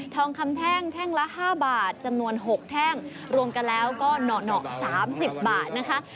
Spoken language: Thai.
ทองคำแท่งแท่งละ๕บาทจำนวน๖แท่งรวมกันแล้วก็เหนาะ๓๐บาทนะคะ